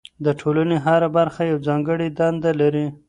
د ټولنې هره برخه یوه ځانګړې دنده لري.